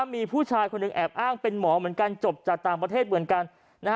มีผู้ชายคนหนึ่งแอบอ้างเป็นหมอเหมือนกันจบจากต่างประเทศเหมือนกัน